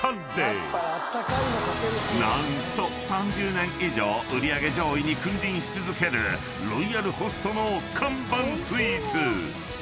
［何と３０年以上売り上げ上位に君臨し続けるロイヤルホストの看板スイーツ］